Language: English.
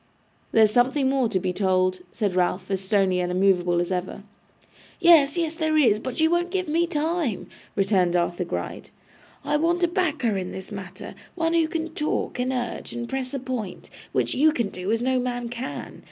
'There's something more to be told,' said Ralph, as stony and immovable as ever. 'Yes, yes, there is, but you won't give me time,' returned Arthur Gride. 'I want a backer in this matter; one who can talk, and urge, and press a point, which you can do as no man can.